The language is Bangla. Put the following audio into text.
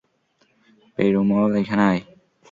পেরুমল, এখানে আয়।